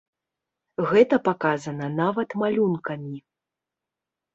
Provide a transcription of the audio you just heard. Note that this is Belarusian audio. Гэта паказана нават малюнкамі.